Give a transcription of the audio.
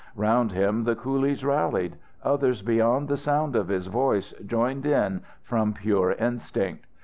Round him the coolies rallied; others beyond the sound of his voice joined in from pure instinct.